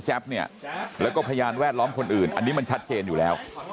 เนี่ยแล้วก็พยานแวดล้อมคนอื่นอันนี้มันชัดเจนอยู่แล้ว